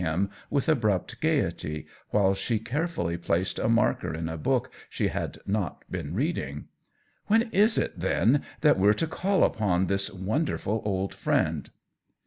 him with abrupt gayety, while she carefully placed a marker in a book she had not been reading. " When is it, then, that we're to call upon this wonderful old friend